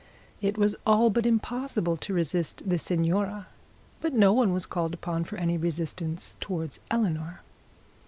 It was all be impossible to resist the signora, but no one was called upon for any resistance towards Eleanor.